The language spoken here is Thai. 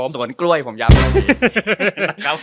สวนกล้วยผมย้ำ